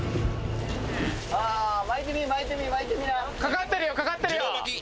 かかってるよかかってるよ・自動巻き。